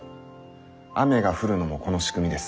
雨が降るのもこの仕組みです。